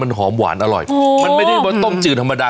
มันไม่ใช่เหมือนต้มจีนธรรมดา